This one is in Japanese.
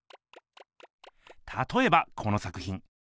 たとえばこの作ひん。